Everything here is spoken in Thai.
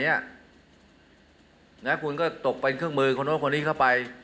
คุณก็ตกเป็นเครื่องมือคนนู้นคนนี้เข้าไป